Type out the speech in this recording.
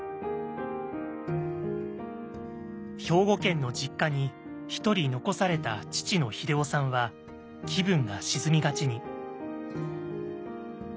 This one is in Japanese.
兵庫県の実家にひとり残された父の英夫さんは気分が沈みがちに。